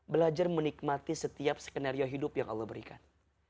belajar menikmati setiap skenario hidup yang allah berikan